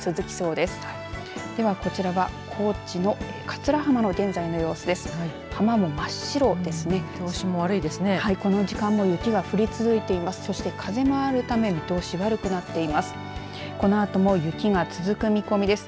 では、こちらは高知の桂浜の現在の様子です。